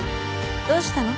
どうしたの？